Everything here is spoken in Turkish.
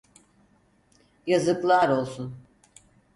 Yazıklar olsun!